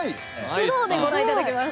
スローでご覧頂きます。